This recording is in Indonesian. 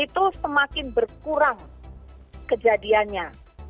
itu semakin berkurang kejadiannya